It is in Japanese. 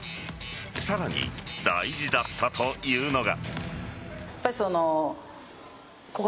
さらに大事だったというのが。